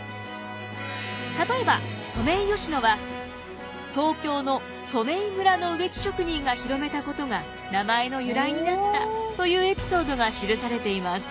例えばソメイヨシノは東京の染井村の植木職人が広めたことが名前の由来になったというエピソードが記されています。